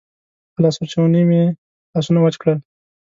په لاسوچوني مې لاسونه وچ کړل.